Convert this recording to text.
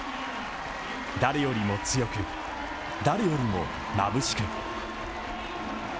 誰よりも強く、誰よりもまぶしく。